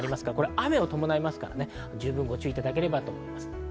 雨を伴いますから、十分ご注意いただきたいと思います。